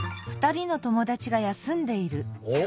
おっ！